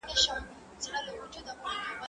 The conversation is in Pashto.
زه به سبا ونې ته اوبه ورکړم!.